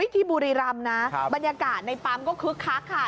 ที่บุรีรำนะบรรยากาศในปั๊มก็คึกคักค่ะ